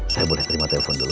saya boleh terima telepon dulu